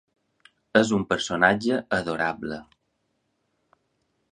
És un personatge adorable.